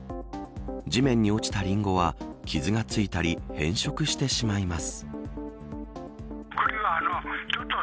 地面に落ちたリンゴは傷が付いたり変色してしまいます。